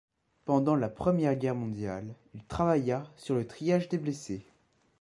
Pendant la Première Guerre Mondiale, il travailla sur le triage des blessés.